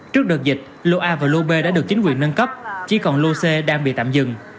trước đợt dịch lô a và lô b đã được chính quyền nâng cấp chỉ còn lô c đang bị tạm dừng